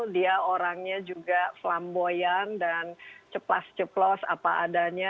dia orangnya juga flamboyan dan ceplas ceplos apa adanya